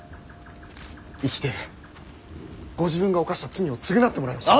生きてご自分が犯した罪を償ってもらいましょう。